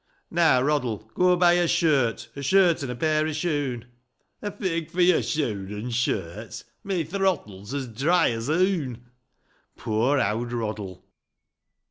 '* Now, Roddle, go buy a shirt — A shirt an' a pair o' shoon !"" A fig for yor shoon an' shirts ; My throttle's as dry's a oon !" Poor owd Roddle